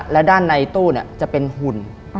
และด้านในตู้จะเป็นหุ่น